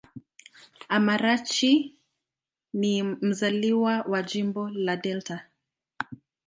Amarachi ni mzaliwa wa Jimbo la Delta.